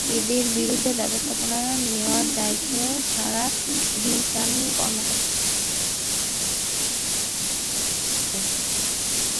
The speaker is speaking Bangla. এঁদের বিরুদ্ধে ব্যবস্থা নেওয়ার দায়িত্ব তারা রিটার্নিং কর্মকর্তাদের ওপর চাপিয়ে দিয়েছে।